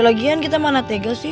yalagian kita mana tegas sih